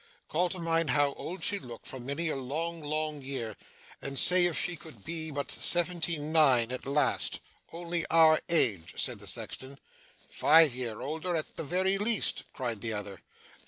'Call to mind how old she looked for many a long, long year, and say if she could be but seventy nine at last only our age,' said the sexton. 'Five year older at the very least!' cried the other.